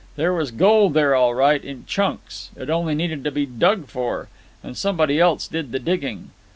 There was gold there, all right, in chunks. It only needed to be dug for. And somebody else did the digging.